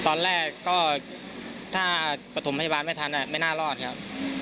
ตอนแรกก็ถ้าประถมพยาบาลไม่ทันไม่น่ารอดครับ